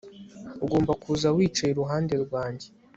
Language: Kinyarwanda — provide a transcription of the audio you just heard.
Ugomba kuza wicaye iruhande rwanjye